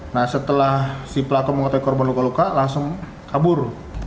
nah setelah si pelaku mengetahui korban luka luka langsung kabur